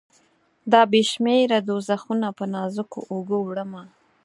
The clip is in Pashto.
دا بې شمیره دوږخونه په نازکو اوږو، وړمه